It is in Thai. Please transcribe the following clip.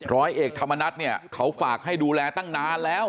ร้อยเอกธรรมนัฐเนี่ยเขาฝากให้ดูแลตั้งนานแล้ว